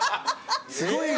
すごいな。